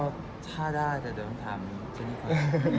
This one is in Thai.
ก็ถ้าได้แต่เดี๋ยวต้องถามเช่นนี้ก่อน